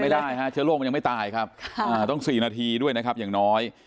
ไม่ได้ฮะเชื้อโรคมันยังไม่ตายครับต้อง๔นาทีด้วยนะครับอย่างน้อย